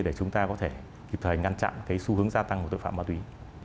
để chúng ta có thể kịp thời ngăn chặn cái xu hướng gia tăng của tội phạm ma túy